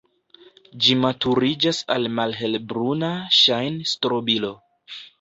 Ĝi maturiĝas al malhelbruna ŝajn-strobilo.